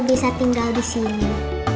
bisa tinggal di sini